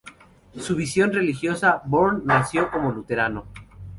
Su visión religiosa, Bohr nació como luterano.